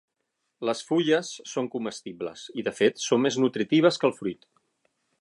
Les fulles són comestibles i, de fet, són més nutritives que el fruit.